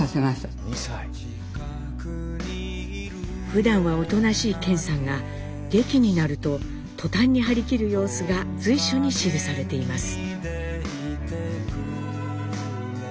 ふだんはおとなしい顕さんが劇になると途端に張り切る様子が随所に記されています。